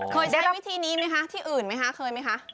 เคยใช้วิธีนี้มั้ยคะที่อื่นมั้ยคะเคยมั้ยคะ